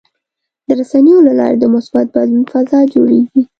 د رسنیو له لارې د مثبت بدلون فضا جوړېږي.